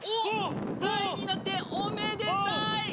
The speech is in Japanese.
タイになっておめでたい！